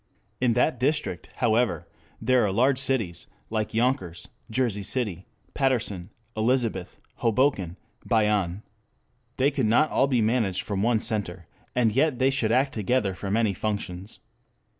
In that district, however, there are large cities, like Yonkers, Jersey City, Paterson, Elizabeth, Hoboken, Bayonne. They could not all be managed from one center, and yet they should act together for many functions.